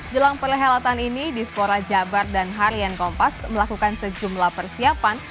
jelang perhelatan ini dispora jabar dan harian kompas melakukan sejumlah persiapan